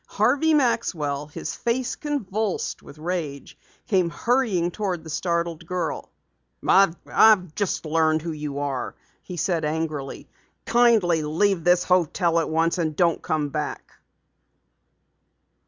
Harvey Maxwell, his face convulsed with rage, came hurrying toward the startled girl. "I've just learned who you are," he said angrily. "Kindly leave this hotel at once, and don't come back!"